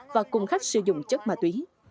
và cùng khách sử dụng chất ma túy